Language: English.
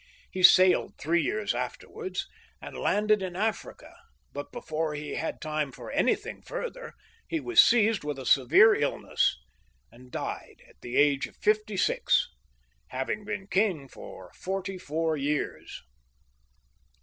He sailed three years afterwards, and landed in Africa ; but before he had had time for anything further, he was seized with a severe illness, and died at the age of fifty six, having been king for forty four years.